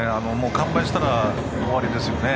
完売したら終わりですよね。